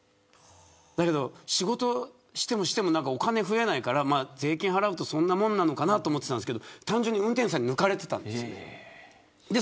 仕事してもしてもお金増えないから税金払うと、そんなもんなのかなと思ってましたが単純に運転手さんに抜かれてたんです。